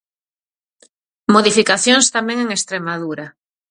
Modificacións tamén en Estremadura.